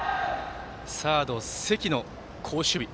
サード、関の好守備。